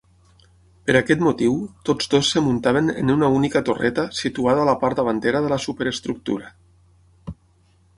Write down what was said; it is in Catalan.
Per aquest motiu, tots dos es muntaven en una única torreta situada a la part davantera de la superestructura.